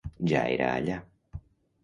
Ja era allà.